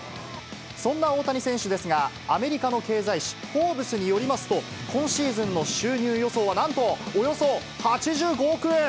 そんな大谷選手ですが、アメリカの経済誌、フォーブスによりますと、今シーズンの収入予想はなんと、およそ８５億円。